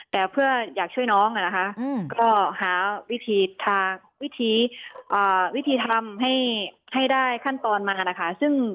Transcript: แต่เพื่ออยากช่วยน้องก็หาวิธีทำให้ได้ขั้นตอนมานะคะ